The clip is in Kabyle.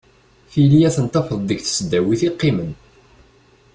Tili ad ten-tafeḍ deg tesdawit i qqimen.